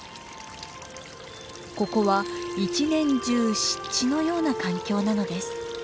ここは一年中湿地のような環境なのです。